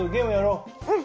うん！